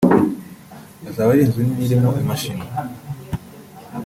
izaba ari inzu nini irimo imashini